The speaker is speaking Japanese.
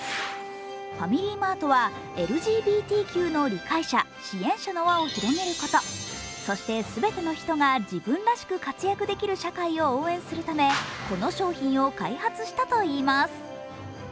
ファミリーマートはＬＧＢＴＱの理解者・支援者の輪を広げること、そして全ての人が自分らしく活躍できる社会を応援するためこの商品を開発したといいます。